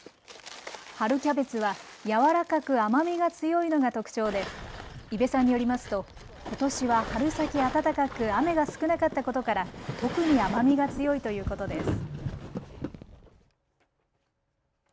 春キャベツは柔らかく甘みが強いのが特徴で伊部さんによりますとことしは春先暖かく雨が少なかったことから特に甘みが強いということです。